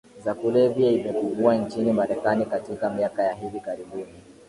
za kulevya imepungua nchini Marekani katika miaka ya hivi karibuni